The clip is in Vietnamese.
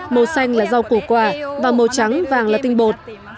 màu xanh là rau củ quả và màu trắng vàng là tinh bột